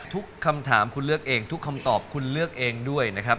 ทุกคำถามคุณเลือกเองทุกคำตอบคุณเลือกเองด้วยนะครับ